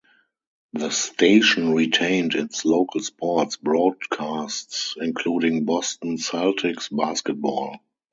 The station retained its local sports broadcasts including Boston Celtics basketball.